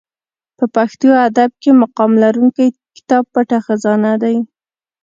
په پښتو ادب کښي مقام لرونکى کتاب پټه خزانه دئ.